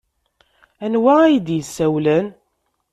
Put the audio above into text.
Anwa ay d-yessawlen?